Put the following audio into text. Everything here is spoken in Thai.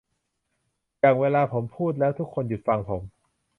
อย่างเวลาผมพูดแล้วทุกคนหยุดฟังผม